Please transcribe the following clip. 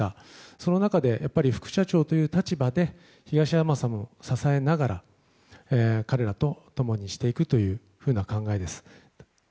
その中で、副社長という立場で東山さんを支えながら、彼らと共にしていくという考えです。